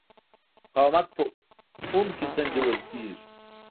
مقاومت په اوم کې سنجول کېږي.